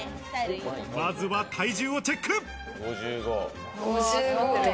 まずは体重をチェック。